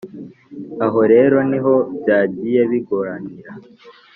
Aho rero niho byagiye bigoranira